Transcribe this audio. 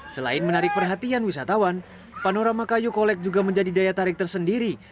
selain menarik perhatian wisatawan panorama kayu kolek juga menjadi daya tarik tersendiri